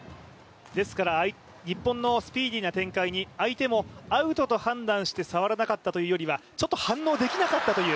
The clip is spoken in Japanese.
ですから、日本のスピーディーな展開に相手も、アウトと判断して触らなかったというよりはちょっと反応できなかったという。